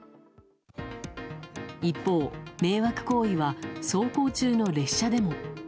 一方、迷惑行為は走行中の列車でも。